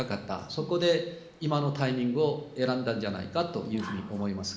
そこで、今のタイミングを選んだんじゃないかと思います。